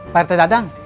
pak rt dadang